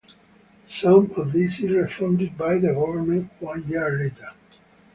Some of this is refunded by the government one year later.